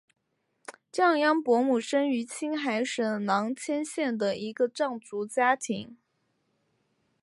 降央伯姆生于青海省囊谦县的一个藏族家庭。